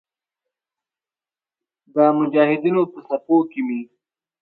د مجاهدینو په صفونو کې مې.